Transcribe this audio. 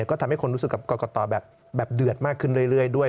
ก็ทำให้คนรู้สึกกับกรกตแบบเดือดมากขึ้นเรื่อยด้วย